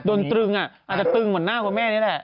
โดนตึงอ่ะอาจจะตึงเหมือนหน้าของแม่นี่แหละ